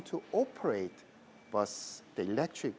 memperbaiki bus elektrik